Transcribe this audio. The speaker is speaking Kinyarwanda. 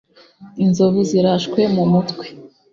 inzovu zirashwe mu mutwe